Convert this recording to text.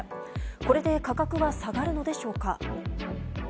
これで価格が下がるのでしょうか。